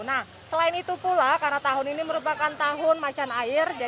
nah selain itu pula karena tahun ini merupakan tahun macan air